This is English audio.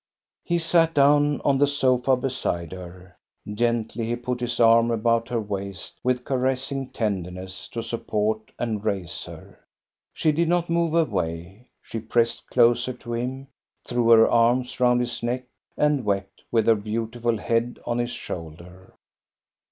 He sat down on the sofa beside her. Gently he put his arm about her waist, with caressing tender ness, to support and raise her. She did not move away. She pressed closer to him, threw her arms round his neck, and wept with her beautiful head on his shoulder.